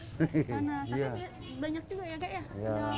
panas tapi banyak juga ya kakek ya